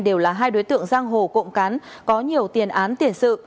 đều là hai đối tượng giang hồ cộng cán có nhiều tiền án tiền sự